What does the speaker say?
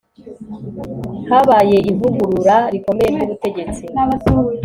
habaye ivugurura rikomeye ry'ubutegetsi